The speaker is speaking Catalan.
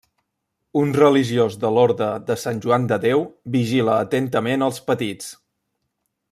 Un religiós de l'orde de Sant Joan de Déu vigila atentament als petits.